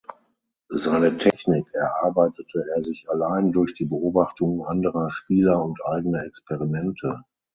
Seine Technik erarbeitete er sich allein durch die Beobachtung anderer Spieler und eigene Experimente.